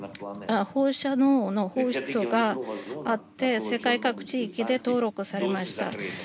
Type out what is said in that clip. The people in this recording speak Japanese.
放射能の放出があって世界各地域で登録されました。